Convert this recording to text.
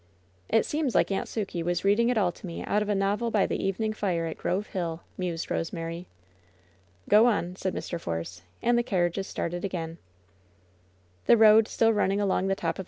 "It seems like Aunt Sukey was reading it all to me out of a novel by the evening fire at Grove Hill," museJ Rosemary. "Go on," said Mr. Force. And the carriages started again. LOVE'S BITTEREST CUP 186 The road, still numing along the top of